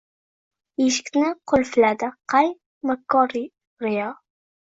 Eshikni qulfladi qay makkor riyo?